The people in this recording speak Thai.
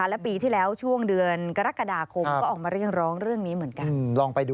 และปีที่แล้วช่วงเดือนกรกฎาคมก็ออกมาเรียกร้องเรื่องนี้เหมือนกัน